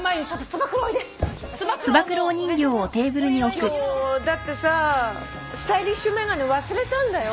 今日だってさスタイリッシュ眼鏡忘れたんだよ。